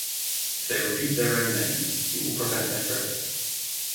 If they repeat their own names it will prevent their growth.